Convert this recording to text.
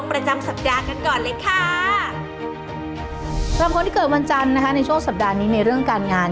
แล้วคนที่เกิดวันจันในช่วงสัปดาห์นี้ในเรื่องการงาน